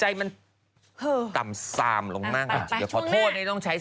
ยังทำกับลูกได้